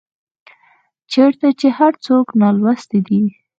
چيرته چي هر څوک نالوستي دي